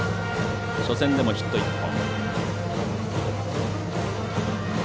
初戦でもヒット１本。